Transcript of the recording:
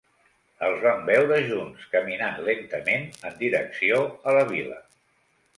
Els van veure junts, caminant lentament en direcció a la vila.